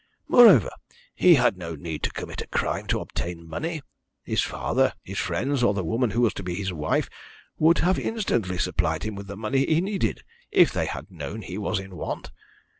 Moreover, he had no need to commit a crime to obtain money. His father, his friends, or the woman who was to be his wife, would have instantly supplied him with the money he needed, if they had known he was in want.